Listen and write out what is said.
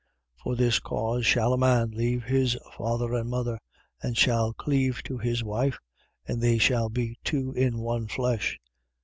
5:31. For this cause shall a man leave his father and mother: and shall cleave to his wife. And they shall be two in one flesh.